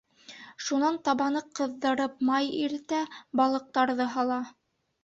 Шунан табаны ҡыҙҙырып май иретә, балыҡтарҙы һала.